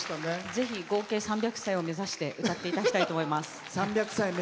ぜひ合計３００歳を目指して歌っていただきたいと思います。